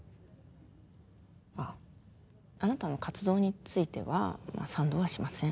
あっあなたの活動についてはまあ、賛同はしません。